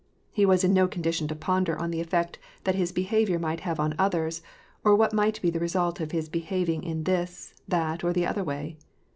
He was in no condition to ponder on the effect that his behavior might have on others, or what might be the result of his behaving in this, that, or the other way.